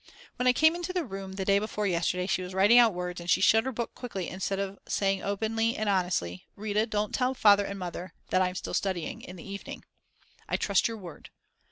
When I came into the room the day before yesterday she was writing out words and she shut her book quickly instead of saying openly and honestly: Rita, don't tell Father and Mother that I'm still studying in the evening: "I trust your word."